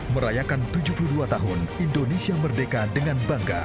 merayakan tujuh puluh dua tahun indonesia merdeka dengan bangga